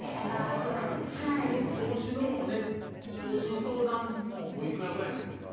その投資の投資の相談おいくらぐらいなんですか？